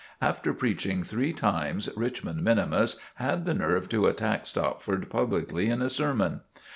After preaching three times Richmond minimus had the nerve to attack Stopford publicly in a sermon!